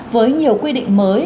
với nhiều quy định mới